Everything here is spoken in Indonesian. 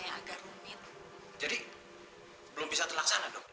masjid ini kan kita tetap saja pada itu